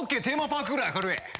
ＯＫテーマパークぐらい明るい！